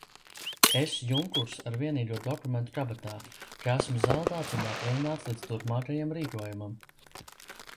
Es, junkurs, ar vienīgo dokumentu kabatā, ka esmu zaldāts un atvaļināts līdz turpmākajam rīkojumam.